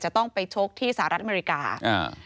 ต้องไปชกที่สหรัฐอเมริกาอ่า